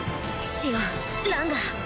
シオンランガ！